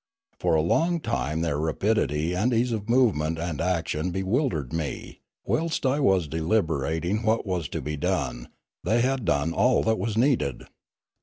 For a long time their rapidity and ease of movement and action bewildered me; whilst I was deliberating what was to be done, they had done all that was needed.